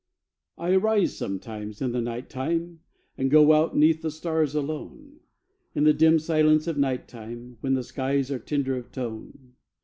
I arise sometimes in the night time, And go out 'neath the stars alone, In the dim silence of night time, When the skies are tender of tone.